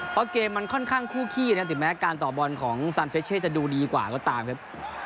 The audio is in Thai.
เพราะเกมมันค่อนข้างคู่ขี้นะถึงแม้การต่อบอลของซานเฟชเช่จะดูดีกว่าก็ตามครับ